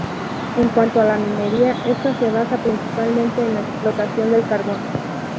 En cuanto a la minería, esta se basa principalmente en la explotación del carbón.